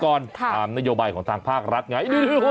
ค่ะดูดิต้องเต็มตามเลยตามนโยบัยของทางภาครัฐไง